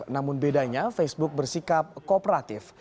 namun bedanya facebook bersikap kooperatif